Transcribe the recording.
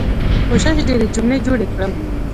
کوښښ ډيرې جملې جوړې کړم.